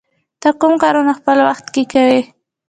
ته کوم کارونه په خپل وخت کې کوې؟